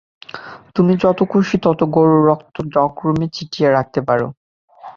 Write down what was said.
তুমি যত খুশী ততো গরুর রক্ত ডক রুমে ছিটিয়ে রাখতে পারো!